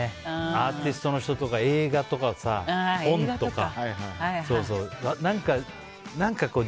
アーティストの人とか映画とかさ本とか。